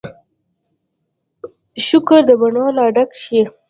شکور د مڼو را ډک شي